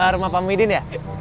rumah pak muhyiddin ya